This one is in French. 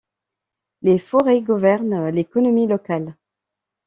Les forêts gouvernent l'économie locale.